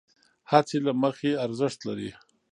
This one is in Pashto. هڅې له مخې ارزښت لرې،